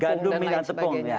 gandum mie dan tepung ya